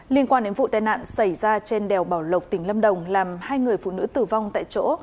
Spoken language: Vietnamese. liên quan đến vụ tai nạn xảy ra trên đèo bảo lộc tỉnh lâm đồng làm hai người phụ nữ tử vong tại chỗ